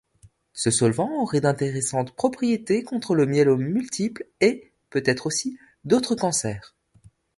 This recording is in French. Ce solvant aurait d'intéressantes propriétés contre le myélome multiple et, peut-être aussi, d'autres cancers.